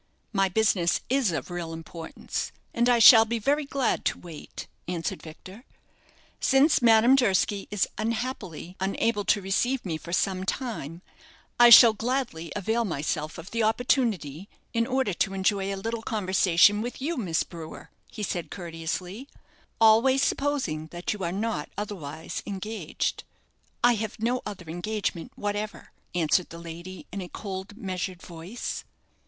"My business is of real importance; and I shall be very glad to wait," answered Victor. "Since Madame Durski is, unhappily, unable to receive me for some time, I shall gladly avail myself of the opportunity, in order to enjoy a little conversation with you, Miss Brewer," he said, courteously, "always supposing that you are not otherwise engaged." "I have no other engagement whatever," answered the lady, in a cold, measured voice.